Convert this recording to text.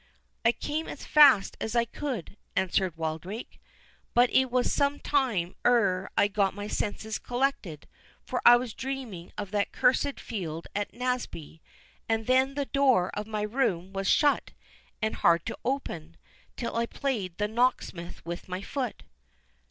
"I came as fast as I could," answered Wildrake; "but it was some time ere I got my senses collected, for I was dreaming of that cursed field at Naseby—and then the door of my room was shut, and hard to open, till I played the locksmith with my foot."